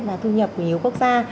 và thu nhập của nhiều quốc gia